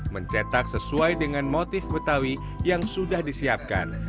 mencetak sesuai dengan motif betawi yang sudah disiapkan